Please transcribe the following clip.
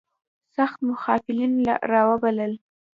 سخت مخالفین را وبلل.